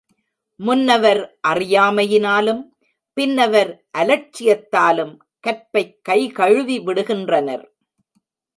முன்னவர் அறியாமையினாலும், பின்னவர் அலட்சியத்தாலும் கற்பைக் கைகழுவி விடுகின்றனர்.